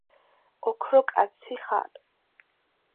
ოქრო კაცი ხარ